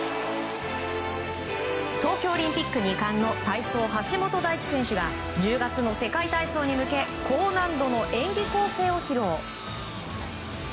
東京オリンピック２冠の体操、橋本大輝選手が１０月の世界体操に向け高難度の演技構成を披露。